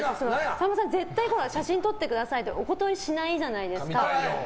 さんまさん、絶対写真撮ってくださいって言われてお断りしないじゃないですか。